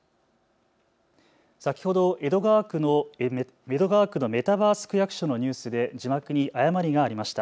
先ほど江戸川区のメタバース区役所のニュースで字幕に誤りがありました。